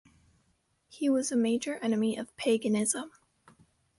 He was a major enemy of paganism.